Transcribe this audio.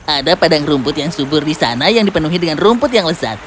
ada padang rumput yang subur di sana yang dipenuhi dengan rumput yang lezat